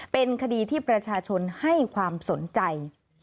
เป็นคดีที่ประชาชนให้ความสนใจ